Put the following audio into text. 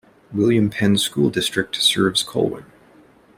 William Penn School District serves Colwyn.